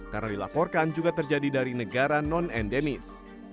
karena dilaporkan juga terjadi dari negara non endemis